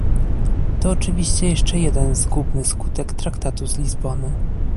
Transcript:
To oczywiście jeszcze jeden zgubny skutek Traktatu z Lizbony